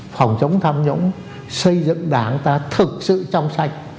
phòng chống tham nhũng xây dựng đảng ta thực sự trong sạch